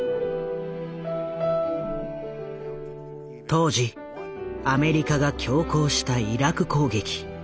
当時アメリカが強行したイラク攻撃。